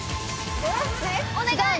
お願い！